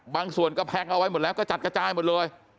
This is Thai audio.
บางส่วนก็แพ็คเอาไว้หมดแล้วกระจัดกระจายหมดเลย